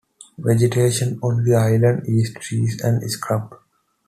Vegetation on the island is trees and scrub.